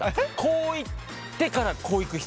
こういってからこういく人。